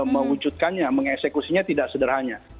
mewujudkannya mengeksekusinya tidak sederhana